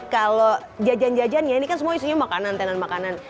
kalau jajan jajan ya ini kan semua isinya makanan tenan makanan